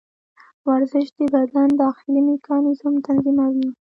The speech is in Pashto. ورزش د بدن داخلي میکانیزم تنظیموي.